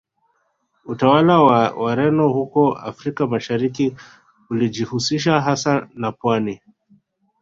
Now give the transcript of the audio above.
Utawala wa Wareno huko Afrika Mashariki ulijihusisha hasa na pwani